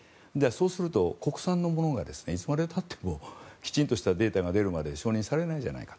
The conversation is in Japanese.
そうすると国産のものがいつまでたってもきちんとしたデータが出るまで承認されないじゃないか。